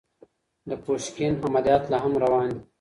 د پوشکين عمليات لا هم روان دي.